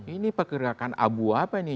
ini pekerjakan abu apa ini